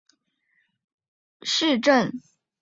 普雷塞克是德国巴伐利亚州的一个市镇。